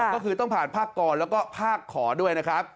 ก็คือต้องผ่านภาคกรแล้วก็ภาคขอด้วยนะครับ